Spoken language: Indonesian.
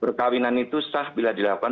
perkawinan itu sah bila dilakukan